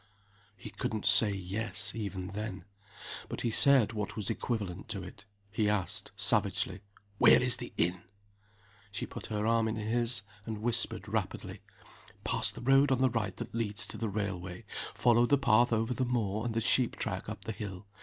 He couldn't say "Yes," even then. But he said what was equivalent to it. He asked, savagely, "Where is the inn?" She put her arm in his, and whispered, rapidly, "Pass the road on the right that leads to the railway. Follow the path over the moor, and the sheep track up the hill.